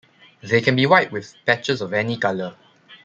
They can be white with patches of any color.